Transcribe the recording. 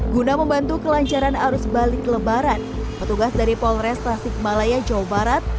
guna membantu kelancaran arus balik lebaran petugas dari polresta sigmalaya jawa barat